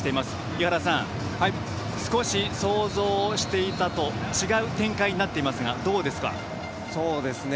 井原さん、少し想像していたのとは違う展開になっていますがどうですか？